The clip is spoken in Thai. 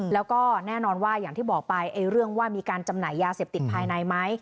แล้วก็แน่นอนว่าอย่างที่บอกไปเรื่องว่ามีการจำหน่ายยาเสพติดภายในไหม